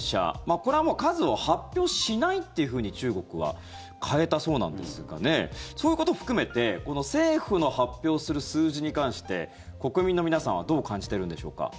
これは数を発表しないというふうに中国は変えたそうなんですがそういうことを含めて政府の発表する数字に関して国民の皆さんはどう感じているんでしょうか？